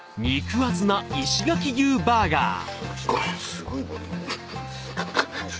すごいボリュームで。